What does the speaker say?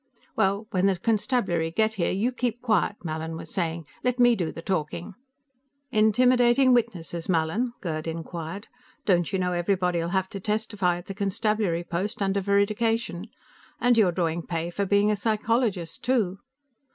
"Well, when the constabulary get here, you keep quiet," Mallin was saying. "Let me do the talking." "Intimidating witnesses, Mallin?" Gerd inquired. "Don't you know everybody'll have to testify at the constabulary post under veridication? And you're drawing pay for being a psychologist, too."